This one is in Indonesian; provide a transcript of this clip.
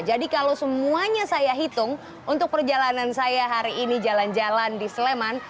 jadi kalau semuanya saya hitung untuk perjalanan saya hari ini jalan jalan di sleman